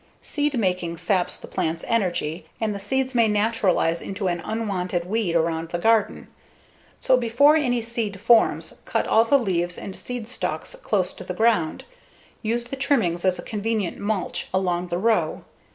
Seed making saps the plant's energy, and the seeds may naturalize into an unwanted weed around the garden. So, before any seed forms, cut all the leaves and seed stalks close to the ground; use the trimmings as a convenient mulch along the row.